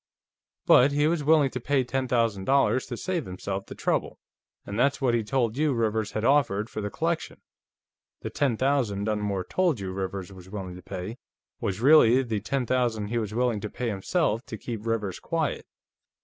But he was willing to pay ten thousand dollars to save himself the trouble, and that's what he told you Rivers had offered for the collection. The ten thousand Dunmore told you Rivers was willing to pay was really the ten thousand he was willing to pay, himself, to keep Rivers quiet.